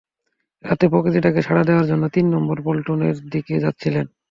রাতে প্রকৃতির ডাকে সাড়া দেওয়ার জন্য তিন নম্বর পন্টুনের দিকে যাচ্ছিলেন।